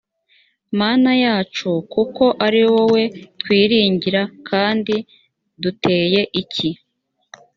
mana yacu kuko ari wowe twiringira kandi duteye iki